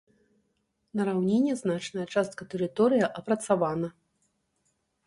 На раўніне значная частка тэрыторыі апрацавана.